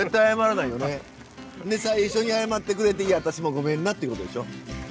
最初に謝ってくれて「私もごめんな」っていうことでしょ。